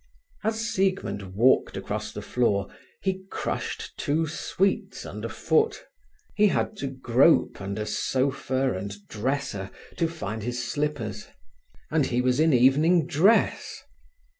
As Siegmund walked across the floor, he crushed two sweets underfoot. He had to grope under sofa and dresser to find his slippers; and he was in evening dress.